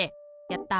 やった！